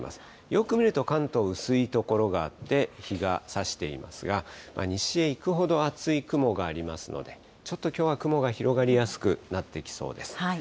よく見ると関東、薄い所があって、日がさしていますが、西へ行くほど厚い雲がありますので、ちょっと、きょうは雲が広がりやすくなってきそうです。